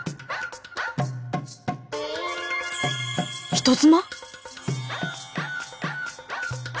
人妻！？